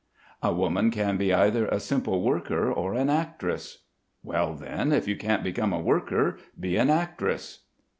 A woman can be either a simple worker or an actress." "Well, then if you can't become a worker, be an actress."